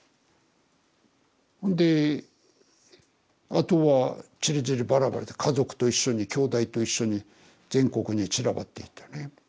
であとはちりぢりバラバラで家族と一緒にきょうだいと一緒に全国に散らばっていったね。